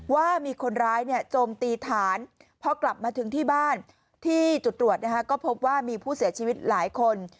ว่ามีคนร้ายเนี่ยโจมตีฐานพอกลับมาถึงที่บ้านที่จุดตรวจก็พบว่ามีผู้เสียชีวิตหลายคน